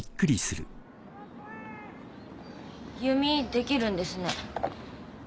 弓できるんですね。